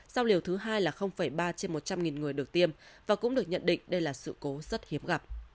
sao liều thứ hai là ba trên một trăm linh người được tiêm và cũng được nhận định đây là sự cố rất hiếm gặp